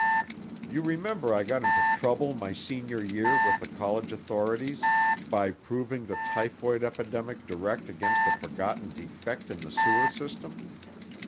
You remember I got into trouble my senior year with the college authorities, by proving the typhoid epidemic direct against a forgotten defect in the sewer system.